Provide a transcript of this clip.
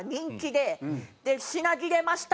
「品切れました。